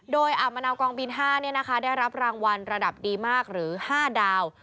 โดยอ่าวมะนาวกองบิน๕ได้รับรางวัลระดับดีมากหรือ๕ดาว